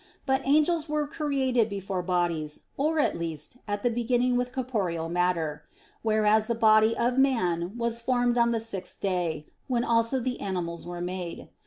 But angels were created before bodies, or at least, at the beginning with corporeal matter; whereas the body of man was formed on the sixth day, when also the animals were made.